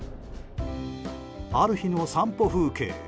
ある日の散歩風景。